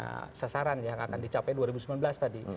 kami kan punya sasaran yang akan dicapai dua ribu sembilan belas tadi